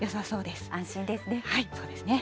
そうですね。